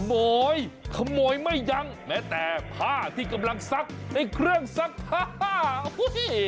ขโมยขโมยไม่ยั้งแม้แต่ผ้าที่กำลังซักในเครื่องซักผ้าอุ้ย